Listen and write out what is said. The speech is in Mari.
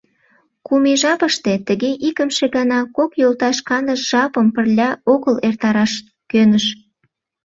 Кум ий жапыште тыге икымше гана кок йолташ каныш жапым пырля огыл эртараш кӧныш.